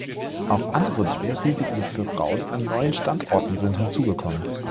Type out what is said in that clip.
Auch andere neue Risiken für Frauen an neuen Standorten sind hinzugekommen.